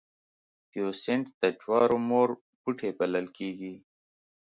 تیوسینټ د جوارو مور بوټی بلل کېږي